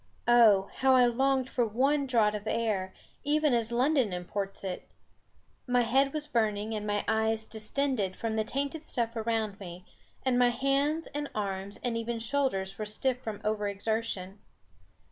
Oh! how I longed for one draught of air, even as London imports it! My head was burning and my eyes distended from the tainted stuff around me, and my hands, and arms, and even shoulders were stiff from over exertion.